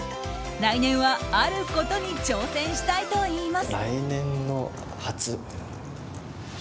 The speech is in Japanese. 来年は、あることに挑戦したいといいます。